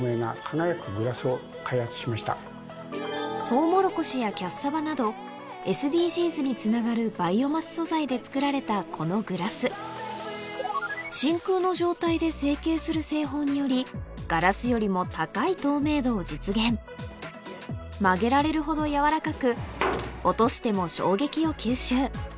とうもろこしやキャッサバなどＳＤＧｓにつながるバイオマス素材で作られたこのグラス真空の状態で成形する製法によりガラスよりも高い透明度を実現曲げられるほど柔らかく落としても衝撃を吸収